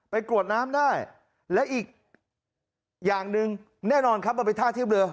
กรวดน้ำได้และอีกอย่างหนึ่งแน่นอนครับมันเป็นท่าเทียบเรือ